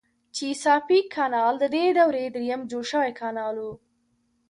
چیساپیک کانال ددې دورې دریم جوړ شوی کانال و.